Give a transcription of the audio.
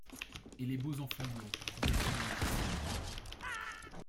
Et les beaux enfants blonds, bercés dans les chimères